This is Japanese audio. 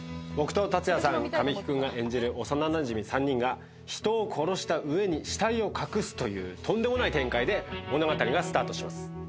僕と竜也さん、神木くんが演じる幼なじみ３人が人を殺した上に死体を隠すという、とんでもない展開で物語がスタートします。